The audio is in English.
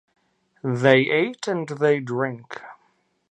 They ate and they drank.